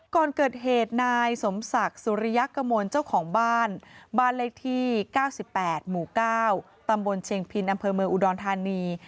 ก่อนเกิดเหตุนายสมศักดิ์สุริยกมลเจ้าของบ้านบ้านเลขที่๙๘หมู่๙ตำบลเชียงพินอำเภอเมืองอุดรธานี